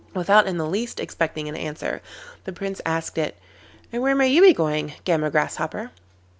Without in the least expecting an answer, the Prince asked it: 'And where may you be going, Gammer Grasshopper?